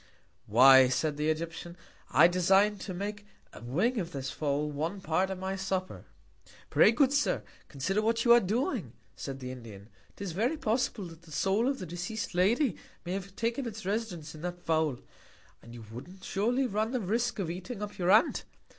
Why, said the Egyptian, I design to make a Wing of this Fowl one Part of my Supper. Pray, good Sir, consider what you are doing, said the Indian. 'Tis very possible, that the Soul of the deceas'd Lady may have taken its Residence in that Fowl. And you wouldn't surely run the Risque of eating up your Aunt?